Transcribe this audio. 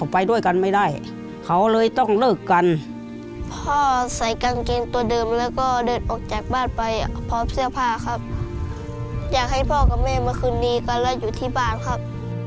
อยากให้พ่อกับแม่มาคืนดีกันและอยู่ที่บ้านครับ